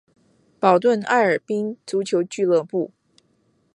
保顿艾尔宾足球俱乐部。